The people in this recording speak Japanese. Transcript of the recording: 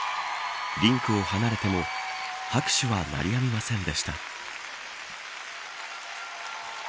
リンクを離れても拍手は鳴りやみませんでした。